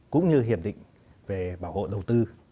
cũng như hiệp định về bảo hộ đầu tư